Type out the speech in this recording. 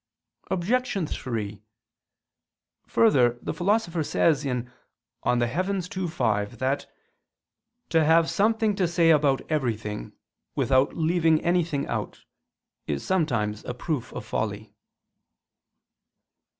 Obj. 3: Further, the Philosopher says (De Coel. ii, 5) that "to have something to say about everything, without leaving anything out, is sometimes a proof of folly."